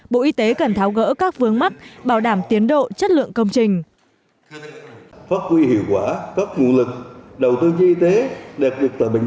bộ y tế cần tháo gỡ các vướng mắc bảo đảm tiến độ chất lượng công trình